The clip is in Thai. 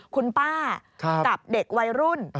คุณป้ากับเด็กวัยรุ่น